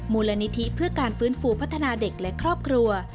มูลนิธิเพื่อการฟื้นฟูพัฒนาเด็กและครอบครัว